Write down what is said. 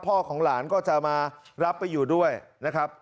ของหลานก็จะมารับไปอยู่ด้วยนะครับ